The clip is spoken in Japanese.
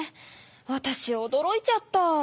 わたしおどろいちゃった。